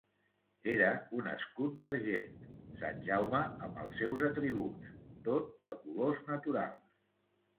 Era un escut d'argent, Sant Jaume amb els seus atributs, tot de colors naturals.